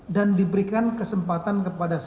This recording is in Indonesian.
dan diberikan kesempatan kepada